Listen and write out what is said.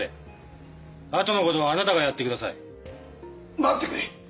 待ってくれ！